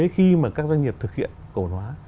khi mà các doanh nghiệp thực hiện cổ hóa